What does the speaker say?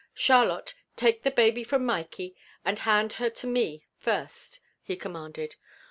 "Charlotte, take the baby from Mikey and hand her to me first," he commanded.